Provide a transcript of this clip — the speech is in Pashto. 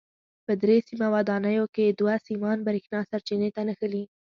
په درې سیمه ودانیو کې دوه سیمان برېښنا سرچینې ته نښلي.